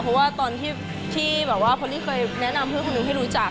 เพราะว่าตอนที่พอลิเคยแนะนำเพื่อนคนนึงให้รู้จัก